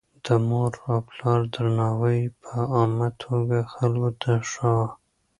د مور او پلار درناوی يې په عامه توګه خلکو ته ښووه.